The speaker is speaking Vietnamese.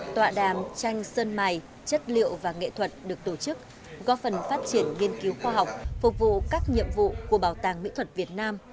tọa đàm tranh sơn mài chất liệu và nghệ thuật được tổ chức góp phần phát triển nghiên cứu khoa học phục vụ các nhiệm vụ của bảo tàng mỹ thuật việt nam